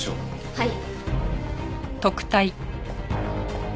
はい。